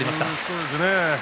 そうですね。